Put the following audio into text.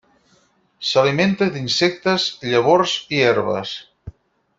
S'alimenta d'insectes, llavors i herbes.